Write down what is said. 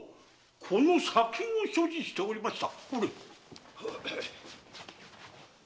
この砂金を所持しておりました。